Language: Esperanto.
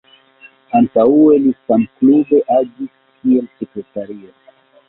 Antaŭe li samklube agis kiel sekretario.